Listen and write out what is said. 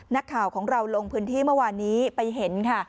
นักข่าวของเราลงพื้นที่เมื่อวานนี้ไปเห็นค่ะ